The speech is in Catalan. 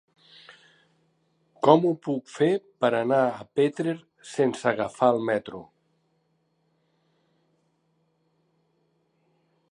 Com ho puc fer per anar a Petrer sense agafar el metro?